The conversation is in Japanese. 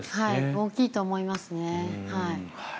大きいと思いますね。